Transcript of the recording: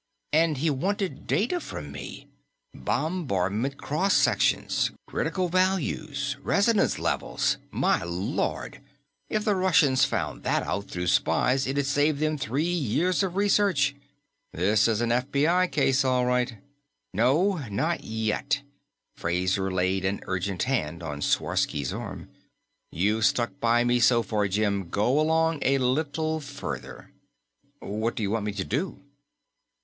"And he wanted data from me! Bombardment cross sections. Critical values. Resonance levels. My Lord, if the Russians found that out through spies it'd save them three years of research. This is an FBI case, all right." "No, not yet." Fraser laid an urgent hand on Sworsky's arm. "You've stuck by me so far, Jim. Go along a little further." "What do you want me to do?"